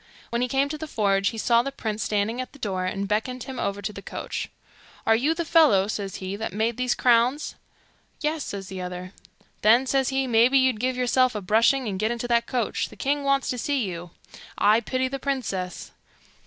When he came to the forge he saw the prince standing at the door, and beckoned him over to the coach. 'Are you the fellow,' says he, 'that made these crowns?' 'Yes,' says the other. 'Then,' says he, 'maybe you'd give yourself a brushing, and get into that coach; the king wants to see you. I pity the princess.